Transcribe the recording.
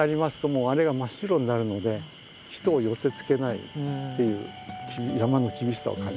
もうあれが真っ白になるので人を寄せつけないっていう山の厳しさを感じますね。